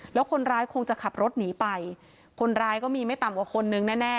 แล้วคนร้ายคงจะขับรถหนีไปคนร้ายก็มีไม่ต่ำกว่าคนนึงแน่แน่